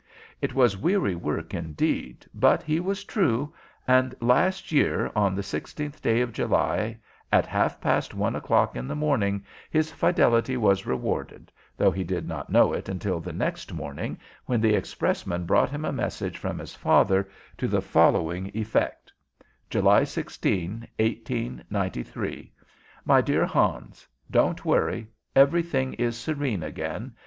It was weary work indeed, but he was true, and last year, on the sixteenth day of July, at half past one o'clock in the morning, his fidelity was rewarded, though he did not know it until the next morning, when the expressman brought him a message from his father to the following effect: "July 16, 1893. "MY DEAR HANS, Don't worry; everything is serene again.